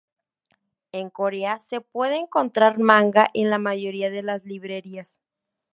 En Corea, se puede encontrar manga en la mayoría de las librerías.